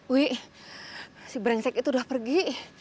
wih si brengsek itu udah pergi